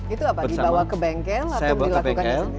itu apa dibawa ke bengkel atau dilakukan sendiri